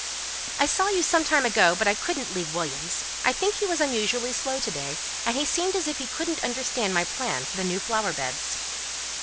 "I saw you some time ago, but I couldn't leave Williams. I think he was unusually slow to day; and he seemed as if he couldn't understand my plans for the new flower beds."